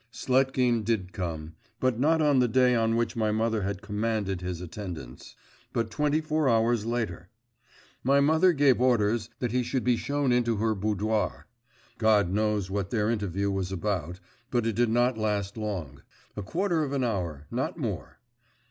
Sletkin did come, but not on the day on which my mother had 'commanded' his attendance, but twenty four hours later. My mother gave orders that he should be shown into her boudoir.… God knows what their interview was about, but it did not last long; a quarter of an hour, not more.